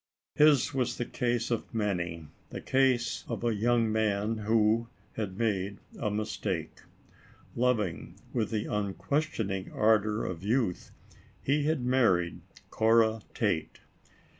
His was the case of many, the case of a young man who had made a mistake. Loving, with the unquestioning ardor of youth, he had married Cora Tate.